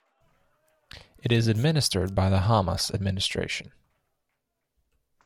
It is administered by the Hamas administration.